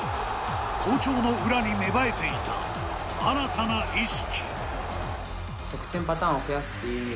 好調の裏に芽生えていた、新たな意識。